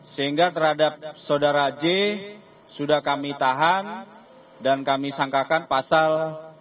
sehingga terhadap sodara j sudah kami tahan dan kami sangkakan pasal tiga ratus enam puluh tiga